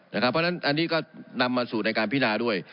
เพราะฉะนั้นอันนี้ก็นำมาสู่ในการพินาด้วย